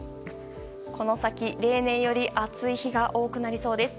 この先、例年より暑い日が多くなりそうです。